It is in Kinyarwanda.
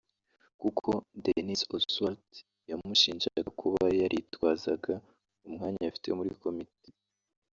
kuko Denis Oswald yamushinjaga kuba yaritwazaga umwanya afite muri Komite